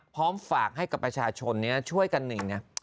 พร้อมฝากให้กับประชาชนช่วยกันหนึ่งนะ